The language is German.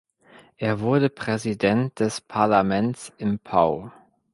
Er wurde Präsident des Parlements in Pau.